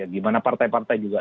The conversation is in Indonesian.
gimana partai partai juga